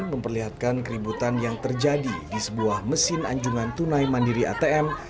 memperlihatkan keributan yang terjadi di sebuah mesin anjungan tunai mandiri atm